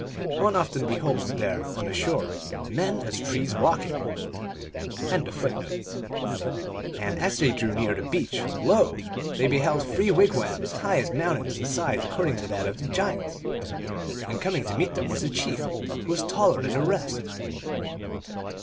One often beholds there, on the shore, " men as trees walking." TALES OF MAGIC. 369 And as they drew near the beach, lo ! they beheld three wigwams, high as mountains, in size according to that of the giants. And coming to meet them was the chief, who was taller than the rest.